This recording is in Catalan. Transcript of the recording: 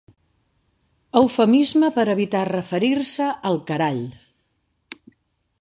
Eufemisme per evitar referir-se al carall.